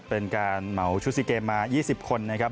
เป็นการเหมาชุด๔เกมมา๒๐คนนะครับ